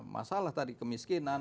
masalah tadi kemiskinan